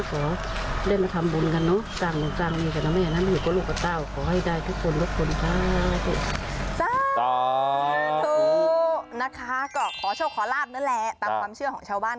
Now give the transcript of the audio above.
ขอเล่นมาทำบุญกันเนาะ